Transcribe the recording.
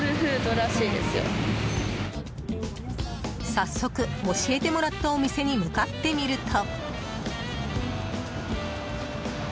早速、教えてもらったお店に向かってみると。